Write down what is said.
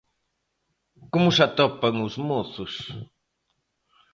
Como se atopan os mozos?